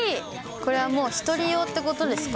これはもう、１人用ってことですか？